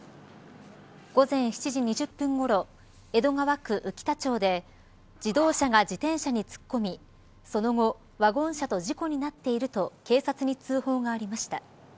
午前７時２０分ごろ江戸川区宇喜田町で自動車が自転車に突っ込みその後ワゴン車と事故になっていると警察に通報がありました。